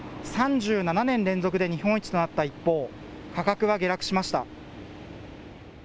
３７年連続で日本一となった一方、価格は下落しました。